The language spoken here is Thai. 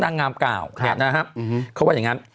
นางงามกล่าวเขาว่าอย่างนั้น